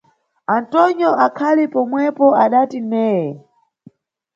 Antonyo akhali pomwepo adati Neye.